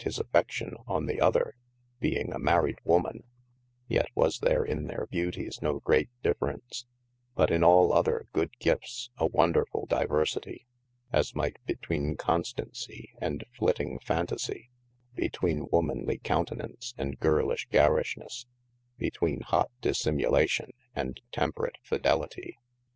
his affeftion on the other (being a [married] woman) yet was there in their beauties no great difference : but in all other good giftes a wonderfull diversitie, as much as might betwene constancie & fl[itt]ing fantasie, betwene womanly coutenaunce and girlish garishnes, betwene hot dissimulation & temperat fidelity.